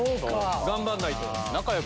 頑張んないと。